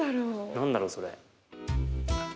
何だろうそれ。